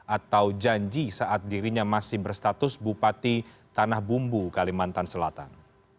atau janji saat dirinya masih berstatus bupati tanah bumbu kalimantan selatan